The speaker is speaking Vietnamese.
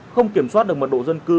không kiểm soát được mật độ dân cư